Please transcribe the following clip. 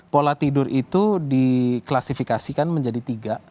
pola tidur itu diklasifikasikan menjadi tiga